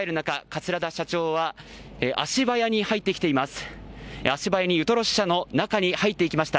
桂田社長は足早に入ってきています。